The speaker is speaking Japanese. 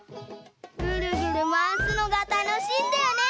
ぐるぐるまわすのがたのしいんだよね！